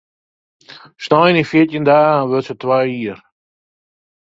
Snein yn fjirtjin dagen wurdt se twa jier.